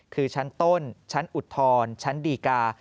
คือชั้นต้นชั้นอุทธรณ์ชั้นดีกา